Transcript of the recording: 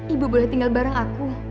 ibu boleh tinggal bareng aku